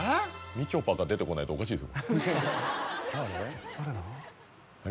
みちょぱが出てこないとおかしいです。